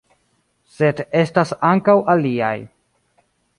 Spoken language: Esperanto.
Sed estas ankaŭ aliaj.